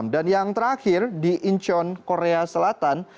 dan yang terakhir di incheon korea selatan